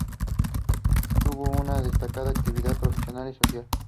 Tuvo una destacada actividad profesional y social.